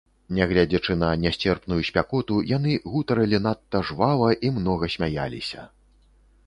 Нягледзячы на нясцерпную спякоту, яны гутарылі надта жвава і многа смяяліся.